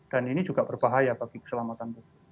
dan ini juga berbahaya bagi keselamatan publik